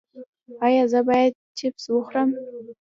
ایا زه باید چپس وخورم؟